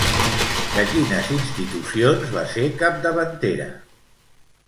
De quines institucions va ser capdavantera?